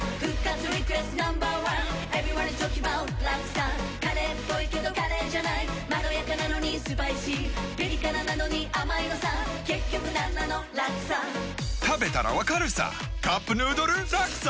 Ｎｏ．１Ｅｖｅｒｙｏｎｅｉｓｔａｌｋｉｎｇａｂｏｕｔラクサカレーっぽいけどカレーじゃないまろやかなのにスパイシーピリ辛なのに甘いのさ結局なんなのラクサ食べたら分かるさ「カップヌードルラクサ」！